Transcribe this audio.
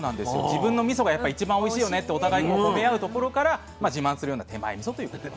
自分のみそが一番おいしいよねってお互いに褒め合うところから自慢するような「手前みそ」という言葉が。